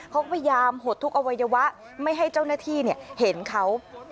เขาก็พยายามหดทุกอวัยวะไม่ให้เจ้าหน้าที่เห็นเขา